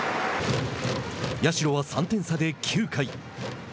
社は３点差で９回。